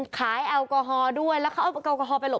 แอลกอฮอล์ด้วยแล้วเขาเอาแอลกอฮอลไปหล